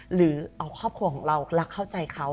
หรือเอาครอบครัวของเราและเข้าใจเขา